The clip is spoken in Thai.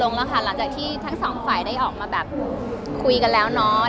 แล้วลงแล้วค่ะหลังจากทั้งสองฝ่ายได้ออกมาแบบคุยกันแล้วเนาะ